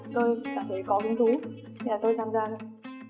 tôi cảm thấy có hứng thú nên là tôi tham gia thôi